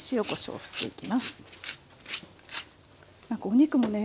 お肉もね